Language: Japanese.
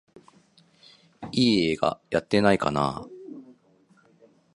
いい映画やってないかなあ